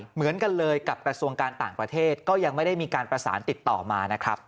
เหมือนกันเลยกับกระทรวงการต่างประเทศก็ยังไม่ได้มีการประสานติดต่อมานะครับ